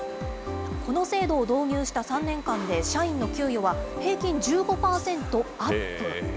この制度を導入した３年間で社員の給与は平均１５％アップ。